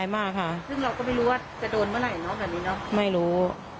ไม่รู้